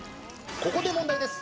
ここで問題です。